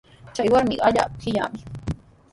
Chay warmiqa allaapa qillami.